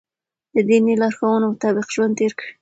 د دیني لارښوونو مطابق ژوند تېر کړئ.